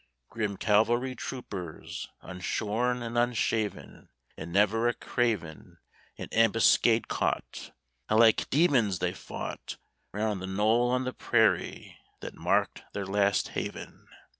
Grim cavalry troopers Unshorn and unshaven, And never a craven In ambuscade caught, How like demons they fought Round the knoll on the prairie that marked their last haven.